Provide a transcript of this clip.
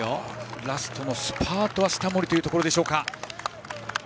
ラストのスパートは下森というところでしょうか。